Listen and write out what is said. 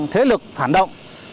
thế lực phản động